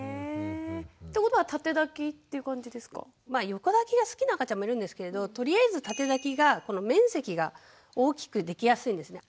横抱きが好きな赤ちゃんもいるんですけれどとりあえず縦抱きが面積が大きくできやすいんですね。